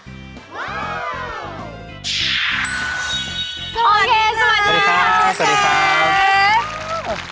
สวัสดีค่ะ